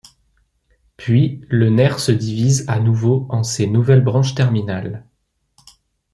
Puis le nerf se divise à nouveau en ses nouvelles branches terminales.